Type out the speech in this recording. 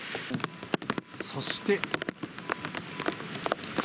そして。